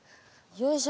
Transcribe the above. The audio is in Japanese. よいしょ。